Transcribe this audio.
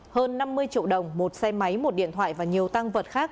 hơn năm mươi triệu đồng một xe máy một điện thoại và nhiều tăng vật khác